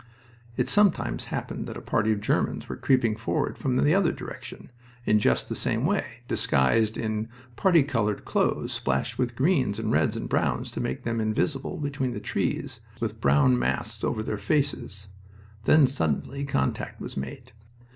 It sometimes happened that a party of Germans were creeping forward from the other direction, in just the same way, disguised in party colored clothes splashed with greens and reds and browns to make them invisible between the trees, with brown masks over their faces. Then suddenly contact was made.